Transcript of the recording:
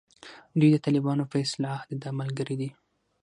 دوی د طالبانو په اصطلاح دده ملګري دي.